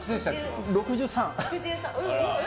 ６３。